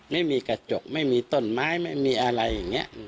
ไม่มีกระจกไม่มีต้นไม้ไม่มีอะไรอย่างนี้